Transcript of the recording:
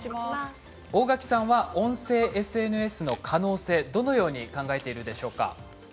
大垣さんは音声ＳＮＳの可能性どのように考えているでしょうか。